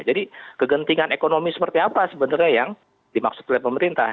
jadi kegentingan ekonomi seperti apa sebenarnya yang dimaksud oleh pemerintah